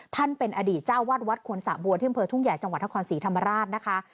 ท่านเป็นอดีตเจ้าวาดวัดควรสะบัวที่อำเภอทุ่งใหญ่จังหวัดนครศรีธรรมราชนะคะ